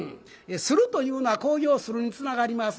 「する」というのは「興行をする」につながります。